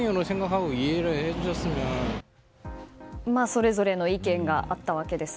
それぞれの意見があったわけです。